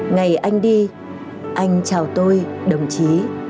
ngày anh đi anh chào tôi đồng chí